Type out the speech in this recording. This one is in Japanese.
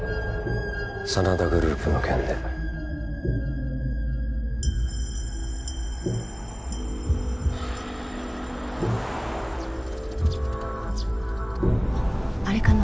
真田グループの件であっあれかな？